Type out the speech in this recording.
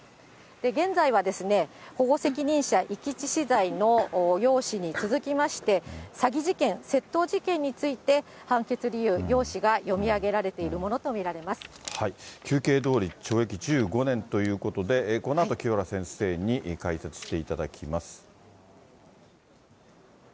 現在は保護責任者遺棄致死罪の要旨に続きまして、詐欺事件、窃盗事件について判決理由、要旨が読み上げられているものと見られま求刑どおり、懲役１５年ということで、このあと、清原先生に解説していただきます。